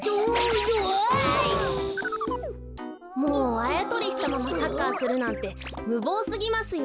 あやとりしたままサッカーするなんてむぼうすぎますよ。